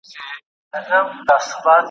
په شخړو کي د نجونو ورکول ناروا عمل و.